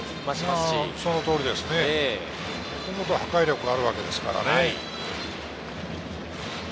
もともと破壊力があるわけですからね。